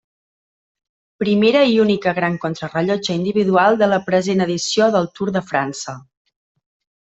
Primera i única gran contrarellotge individual de la present edició del Tour de França.